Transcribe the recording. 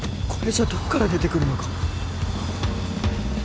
これじゃどっから出てくるのか。